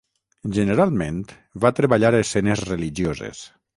Generalment va treballar escenes religioses.